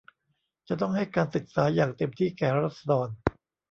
จะต้องให้การศึกษาอย่างเต็มที่แก่ราษฎร